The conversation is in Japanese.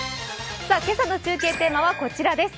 今朝の中継テーマは、こちらです。